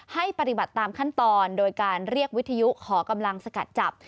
ให้ปฏิบัติตามขั้นตอนโดยการเรียกวิทยุขอกำลังสกัดจับ